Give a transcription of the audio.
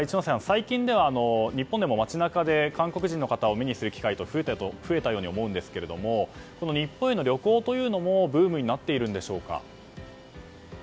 最近では、日本でも街中で、韓国人の方を見る機会が増えたと思うんですけど日本への旅行というのもブームになっているんでしょうか。